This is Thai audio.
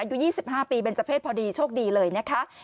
อายุ๒๕ปีเป็นเจ้าเพศพอดีโชคดีเลยนะคะ